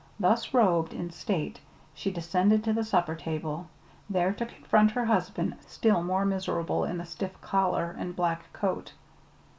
Thus robed in state she descended to the supper table, there to confront her husband still more miserable in the stiff collar and black coat.